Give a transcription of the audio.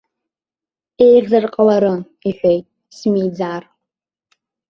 Еиӷьзар ҟаларын, иҳәеит, смиӡар.